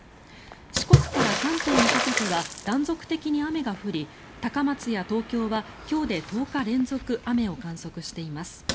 四国から関東にかけては断続的に雨が降り高松や東京は今日で１０日連続雨を観測しています。